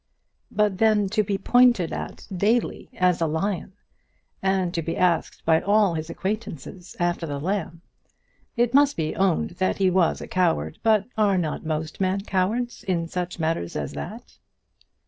But then to be pointed at daily as a lion, and to be asked by all his acquaintances after the lamb! It must be owned that he was a coward; but are not most men cowards in such matters as that?